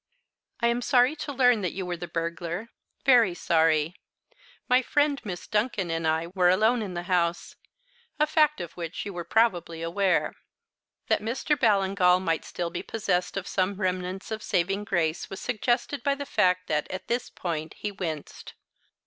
"I am sorry to learn that you were the burglar very sorry. My friend, Miss Duncan, and I were alone in the house, a fact of which you were probably aware." That Mr. Ballingall might still be possessed of some remnants of saving grace was suggested by the fact that, at this point, he winced.